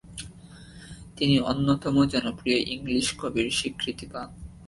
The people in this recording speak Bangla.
তিনি অন্যতম জনপ্রিয় ইংলিশ কবির স্বীকৃতি পান।